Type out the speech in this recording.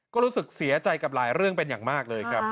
ก็รู้สึกเสียใจกับหลายเรื่องเป็นอย่างมากเลยครับ